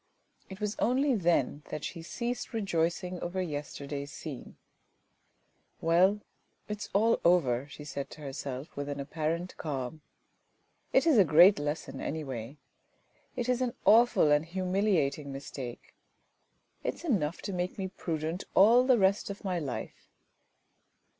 It was only then that she ceased rejoicing over yesterday's scene. " Well, it is all over," she said to herself, with an apparent calm. " It is a great lesson, anyway. It is an awful and humiliating mistake ! It is enough to make me prudent all the rest of my life."